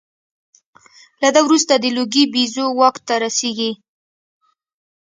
له ده وروسته د لوګي بیزو واک ته رسېږي.